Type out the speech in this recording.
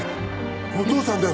お父さんだよ！